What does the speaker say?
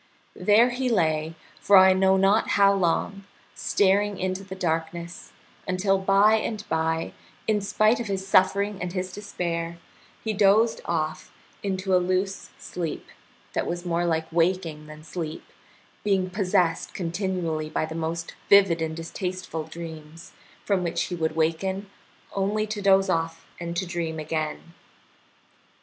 There he lay for I know not how long, staring into the darkness, until by and by, in spite of his suffering and his despair, he dozed off into a loose sleep, that was more like waking than sleep, being possessed continually by the most vivid and distasteful dreams, from which he would awaken only to doze off and to dream again.